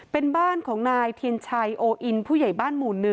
เป็นบ้านของนายเทียนชัยโออินผู้ใหญ่บ้านหมู่๑